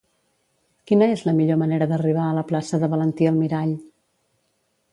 Quina és la millor manera d'arribar a la plaça de Valentí Almirall?